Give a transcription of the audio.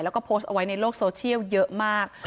แล้วก็โพสต์เอาไว้ในโลกโซเชียลเยอะมาก